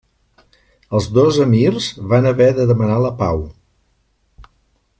Els dos emirs van haver de demanar la pau.